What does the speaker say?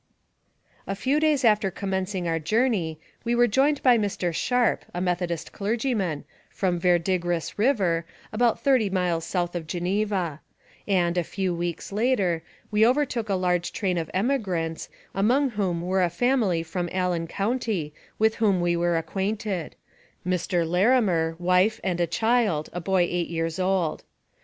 A few days after commencing our journey, we were joined by Mr. Sharp, a Methodist clergyman, from Verdigris River, about thirty miles south of Geneva; and, a few weeks later, we overtook a large train of emigrants, among whom were a family from Allen County with whom we were acquainted Mr. Larimer, wife, and child, a boy eight years old.